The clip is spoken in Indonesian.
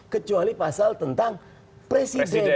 kecuali pasal tentang presiden